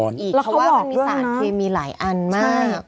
เขาบอกว่ามันมี๓เครมีหลายอันมาก